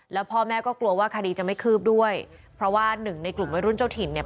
แล้วพ่อแม่ก็กลัวว่าคดีจะไม่คืบด้วยเพราะว่าหนึ่งในกลุ่มวัยรุ่นเจ้าถิ่นเนี่ย